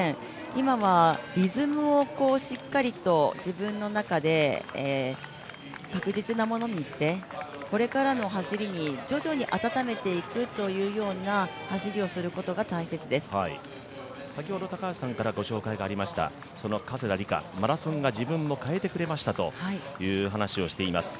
今はリズムをしっかりと自分の中で確実なものにしてこれからの走りに、徐々に温めていくというような、走りにするというのが加世田梨花、マラソンが自分を変えてくれましたという話をしています。